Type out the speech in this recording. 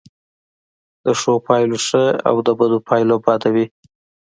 د ښو پایله ښه او د بدو پایله بده وي.